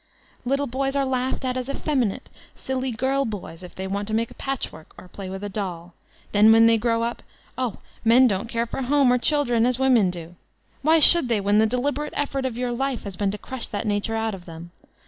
Little bojrs are laughed at as effeminate, silly girl boys if they want to make patchwork or play with a dolL Then when they grow up, ''Oh! Men don't care for home or children as women do!" Why should they, when the deliberate effort of your life has been to crush that nature out of them.